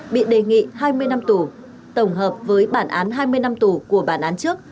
bị đề nghị hai mươi năm tù tổng hợp với bản án hai mươi năm tù của bản án trước